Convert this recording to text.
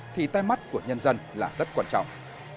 thì tay mắt của nhân dân là rất quan trọng